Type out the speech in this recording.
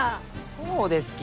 そうですき！